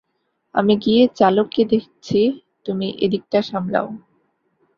আমি গিয়ে চালককে দেখছি, তুমি এদিকটা সামলাও।